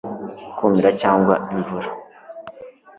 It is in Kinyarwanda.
Kumira cyangwa imvura